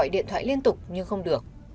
điện thoại liên tục nhưng không được